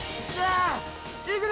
いくぞ！